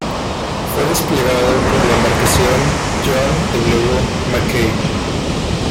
Fue desplegado por la embarcación John W. Mackay.